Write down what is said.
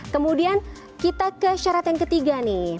kemudian kita ke syarat yang ketiga nih